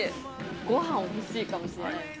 ごはん欲しいかもしれないです。